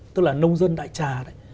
tức là nông dân đại trà